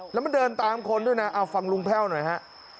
แล้วมันเดินตามคนด้วยนะเอาฟังลุงแพ่วหน่อยฮะ